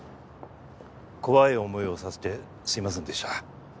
怖い思いをさせてすいませんでした。